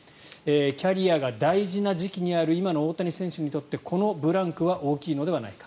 キャリアが大事な時期にある今の大谷選手にとってこのブランクは大きいのではないか。